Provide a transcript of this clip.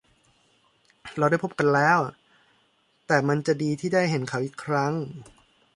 เราได้พบกันแล้ว แต่มันจะดีที่ได้เห็นเขาอีกครั้ง